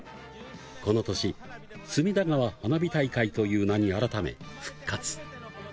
この年、隅田川花火大会という名に改め、復活。